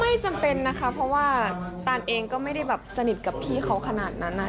ไม่จำเป็นนะคะเพราะว่าตานเองก็ไม่ได้แบบสนิทกับพี่เขาขนาดนั้นนะ